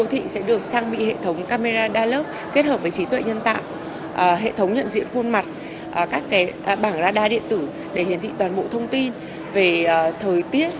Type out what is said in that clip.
hệ thống nhận diện khuôn mặt các bảng radar điện tử để hiển thị toàn bộ thông tin về thời tiết